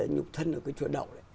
nhục thân ở cái chùa đậu